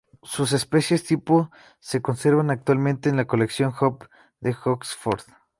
Sus "especies tipo" se conservan actualmente en la "colección Hope de Oxford".